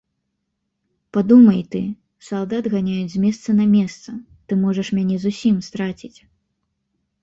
Падумай ты, салдат ганяюць з месца на месца, ты можаш мяне зусім страціць.